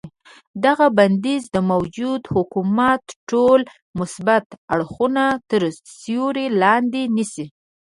دغه بندیز د موجوده حکومت ټول مثبت اړخونه تر سیوري لاندې نیسي.